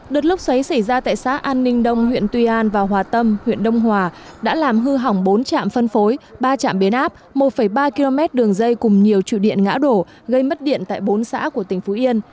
đợt lốc xoáy xảy ra tại xã an ninh đông huyện tuy an và hòa tâm huyện đông hòa đã làm hư hỏng bốn trạm phân phối ba trạm biến áp một ba km đường dây cùng nhiều trụ điện ngã đổ gây mất điện tại bốn xã của tỉnh phú yên